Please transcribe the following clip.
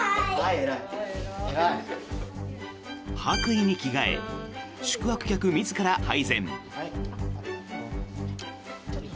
白衣に着替え宿泊客自ら配膳。